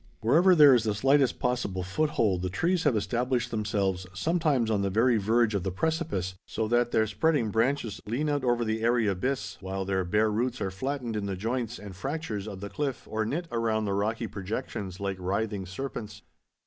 Wherever there is the slightest possible foothold the trees have established themselves, sometimes on the very verge of the precipice so that their spreading branches lean out over the airy abyss while their bare roots are flattened in the joints and fractures of the cliff or knit around the rocky projections like writhing serpents.